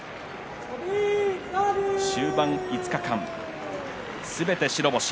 終盤の５日間、すべて白星。